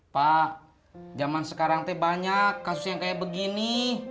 pak zaman sekarang teh banyak kasus yang kayak begini